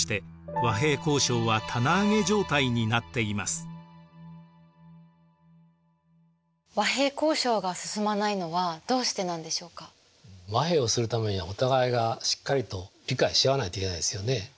和平をするためにはお互いがしっかりと理解し合わないといけないですよね。